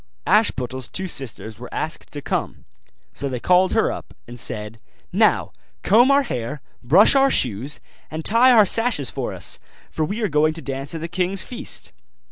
Ashputtel's two sisters were asked to come; so they called her up, and said, 'Now, comb our hair, brush our shoes, and tie our sashes for us, for we are going to dance at the king's feast.